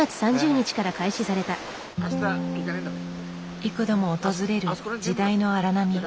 幾度も訪れる時代の荒波。